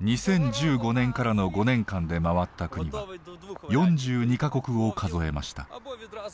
２０１５年からの５年間でまわった国は４２か国を数えました。